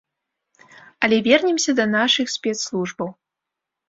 Але вернемся да нашых спецслужбаў.